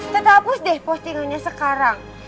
tata hapus deh postingannya sekarang